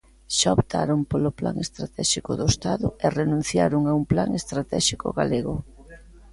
Xa optaron polo plan estratéxico do estado e renunciaron a un plan estratéxico galego.